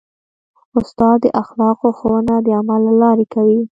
استاد د اخلاقو ښوونه د عمل له لارې کوي.